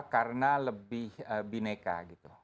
karena lebih bineka gitu